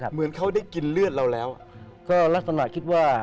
เหลือโทรสนิทว่า